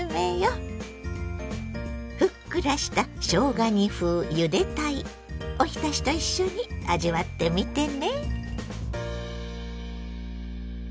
ふっくらしたしょうが煮風ゆで鯛おひたしと一緒に味わってみてね。